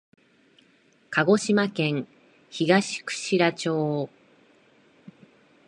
鹿児島県東串良町